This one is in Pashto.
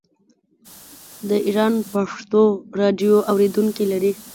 د ایران پښتو راډیو اوریدونکي لري.